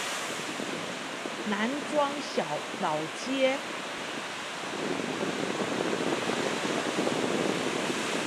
南庄老街